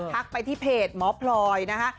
ไปที่เพจหมอพลอยนะคะ